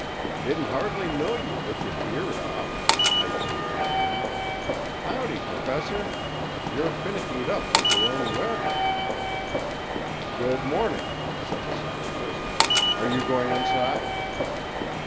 "Didn't hardly know you, with your beard off," piped the old man. "Howdy, Professor! You're finickied up like your own weddin'." "Good morning," said the scientist. "Are you going inside?"